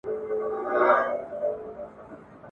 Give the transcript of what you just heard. خاطرې په یاد لیکلی دی ..